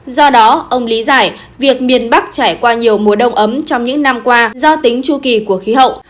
do đó ông lý giải việc miền bắc trải qua nhiều mùa đông ấm trong những năm qua do tính chu kỳ của khí hậu